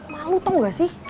malu tau gak sih